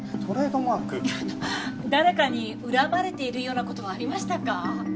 いやあの誰かに恨まれているような事はありましたか？